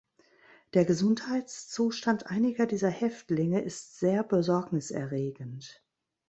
Der Gesundheitszustand einiger dieser Häftlinge ist sehr besorgniserregend.